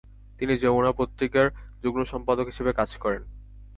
তিনি যমুনা পত্রিকার যুগ্ন সম্পাদক হিসেবে কাজ করেন।